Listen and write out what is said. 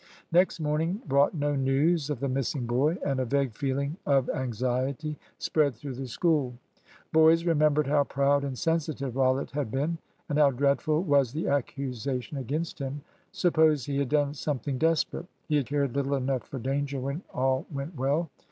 Next morning brought no news of the missing boy, and a vague feeling of anxiety spread through the School. Boys remembered how proud and sensitive Rollitt had been, and how dreadful was the accusation against him. Suppose he had done something desperate? He had cared little enough for danger when all went well.